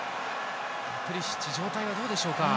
プリシッチ状態はどうでしょうか。